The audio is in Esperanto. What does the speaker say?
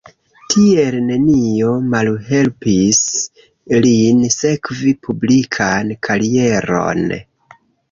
Tiel nenio malhelpis lin sekvi publikan karieron.